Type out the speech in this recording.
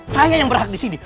saya yang berhak di sini